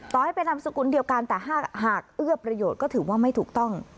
ให้เป็นนามสกุลเดียวกันแต่หากเอื้อประโยชน์ก็ถือว่าไม่ถูกต้อง